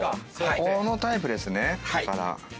このタイプですねだから。